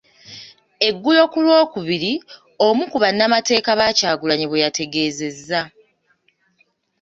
Eggulo ku Lwokubiri, omu ku bannamateeka ba Kyagulanyi bwe yategeezezza.